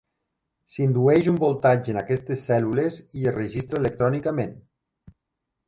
S'indueix un voltatge en aquests cèl·lules i es registra electrònicament.